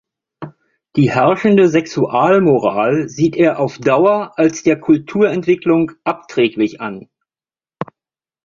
Die herrschende Sexualmoral sieht er auf Dauer als der Kulturentwicklung abträglich an.